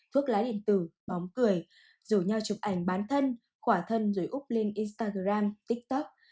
vước lá điện tử bóng cười rủ nhau chụp ảnh bán thân khỏa thân rồi úp lên instagram tiktok